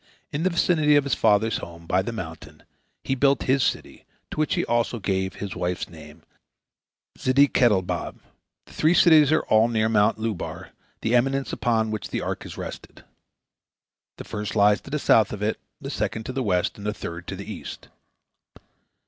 In the vicinity of his father's home, by the mountain, he built his city, to which he also gave his wife's name, Zedeketelbab. The three cities are all near Mount Lubar, the eminence upon which the ark rested. The first lies to the south of it, the second to the west, and the third to the east.